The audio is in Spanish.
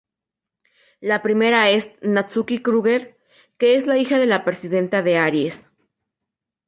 La primera es Natsuki Kruger, que es la hija de la presidenta de Aries.